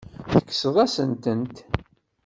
Tekkseḍ-asen-tent.